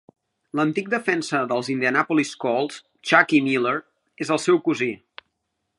L'antic defensa dels Indianapolis Colts, Chuckie Miller, és el seu cosí.